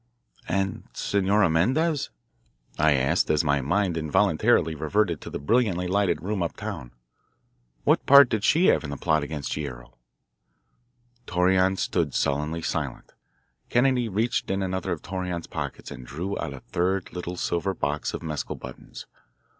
"And Senora Mendez?" I asked as my mind involuntarily reverted to the brilliantly lighted room up town. "What part did she have in the plot against Guerrero?" Torreon stood sullenly silent. Kennedy reached in another of Torreon's pockets and drew out a third little silver box of mescal buttons.